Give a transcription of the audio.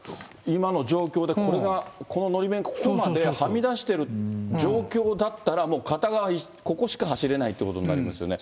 今の状況でこれが、こののり面、ここまではみ出してる状況だったら、もう片側、ここしか走れないっていうことになりますよね。